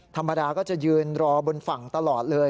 ธรรมดาก็จะยืนรอบนฝั่งตลอดเลย